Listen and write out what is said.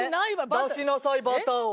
出しなさいバターを。